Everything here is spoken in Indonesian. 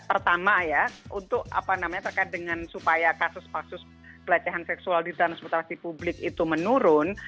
pertama ya untuk apa namanya terkait dengan supaya kasus kasus pelecehan seksual di transportasi publik itu menurun